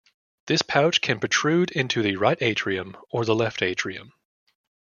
This pouch can protrude into the right atrium or the left atrium.